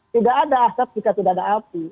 tidak ada asap jika tidak ada api